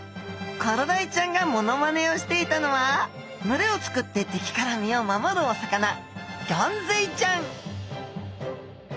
コロダイちゃんがモノマネをしていたのは群れを作って敵から身を守るお魚ゴンズイちゃん